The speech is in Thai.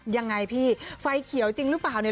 ยังไงพี่ไฟเขียวจริงหรือเปล่าเนี่ย